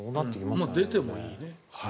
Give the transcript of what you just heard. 出てもいいね。